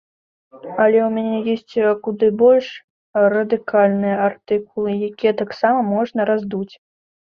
Але ў мяне ёсць куды больш радыкальныя артыкулы, якія таксама можна раздуць.